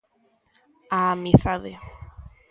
A amizade.